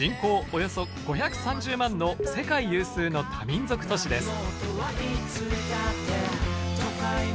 およそ５３０万の世界有数の多民族都市です。